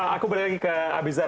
aku balik lagi ke abizar